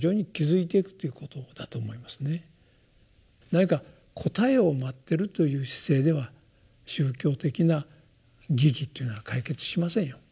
何か答えを待ってるという姿勢では宗教的な疑義というのは解決しませんよ。